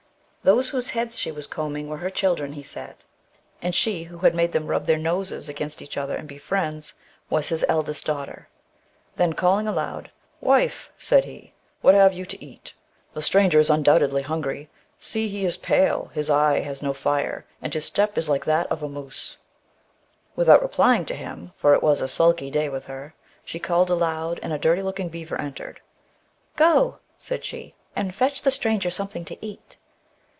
Those whose heads she was combing were her children, he said, and she who had made them rub their noses against each other and be friends, was his eldest daughter. Then calling aloud, * Wife,' said he, * what have you to eat ? The stranger is undoubtedly hungry ; see, he is pale, his eye has no fire, and his step is like that of a moose.' 158 THE BOOK OF WEBE WOLVES. Without replying to him, for it was a sulky day with her, she called aloud, and a dirty looking beaver entered. ' Go/ said she, * and fetch the stranger something to eat.'